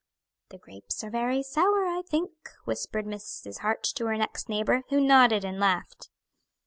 "The grapes are very sour, I think," whispered Mrs. Hart to her next neighbor, who nodded and laughed.